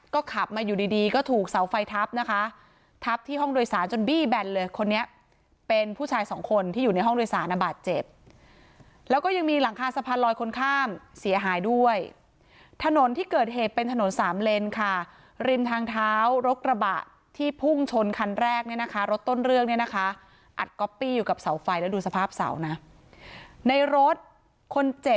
ก็ขับมาอยู่ดีดีก็ถูกเสาไฟทับนะคะทับที่ห้องโดยสารจนบี้แบนเลยคนนี้เป็นผู้ชายสองคนที่อยู่ในห้องโดยสารบาดเจ็บแล้วก็ยังมีหลังคาสะพานลอยคนข้ามเสียหายด้วยถนนที่เกิดเหตุเป็นถนนสามเลนค่ะริมทางเท้ารถกระบะที่พุ่งชนคันแรกเนี่ยนะคะรถต้นเรื่องเนี่ยนะคะอัดก๊อปปี้อยู่กับเสาไฟแล้วดูสภาพเสานะในรถคนเจ็บ